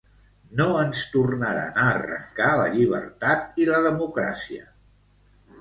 No ens tornaran a arrencar la llibertat i la democràcia.